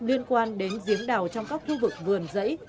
liên quan đến giếng đào trong các khu vực vườn dẫy